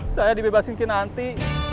saya dibebaskan nanti